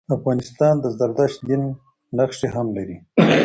افغانستان د زردشت دین نښي هم لري.